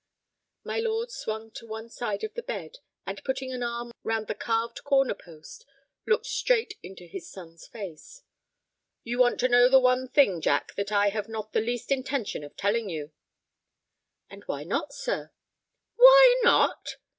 My lord swung to one side of the bed, and, putting an arm round the carved corner post, looked straight into his son's face. "You want to know the one thing, Jack, that I have not the least intention of telling you." "And why not, sir?" "Why not!"